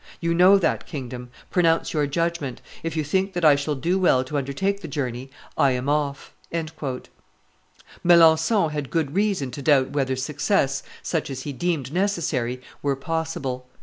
You know that kingdom. Pronounce your judgment. If you think that I shall do well to undertake the journey, I am off." Melancthon had good reason to doubt whether success, such as he deemed necessary, were possible.